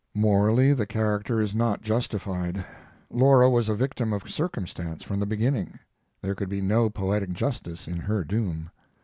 Morally, the character is not justified. Laura was a victim of circumstance from the beginning. There could be no poetic justice in her doom.